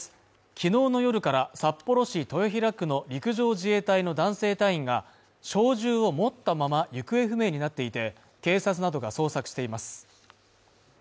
昨日の夜から札幌市豊平区の陸上自衛隊の男性隊員が小銃を持ったまま行方不明になっていて、警察などが捜索しています。